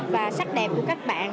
và sắc đẹp của các bạn